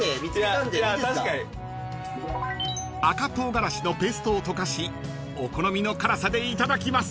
［赤唐辛子のペーストを溶かしお好みの辛さでいただきます］